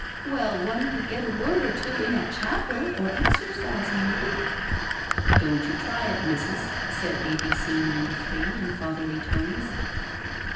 " Well, one could get a word or two in at chapel or exercise, maybe?" " Don't you try it, missus, said A. B. C. 93 in fatherly tones.